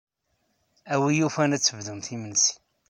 A win yufan ad tebdumt imensi.